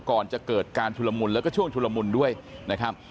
ก่อนจะเกิดการชุลมุนแล้วก็ช่วงชุลมุนด้วยนะครับ